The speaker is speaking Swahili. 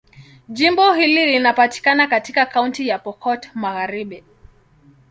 Jimbo hili linapatikana katika Kaunti ya Pokot Magharibi.